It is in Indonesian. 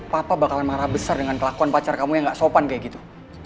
papa bakalan marah besar dengan kelakuan pacar kamu yang gak sopan kayak gitu